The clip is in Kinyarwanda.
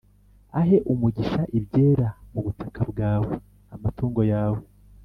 ahe umugisha ibyera mu butaka bwawe, amatungo yawe,+